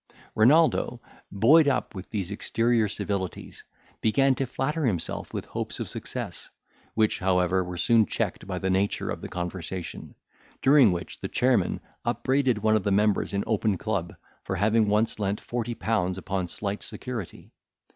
Renaldo, buoyed up with these exterior civilities, began to flatter himself with hopes of success, which, however, were soon checked by the nature of the conversation; during which the chairman upbraided one of the members in open club for having once lent forty pounds upon slight security.